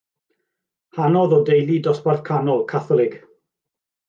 Hanodd o deulu dosbarth canol, Catholig.